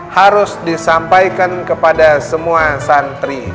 harus disampaikan kepada semua santri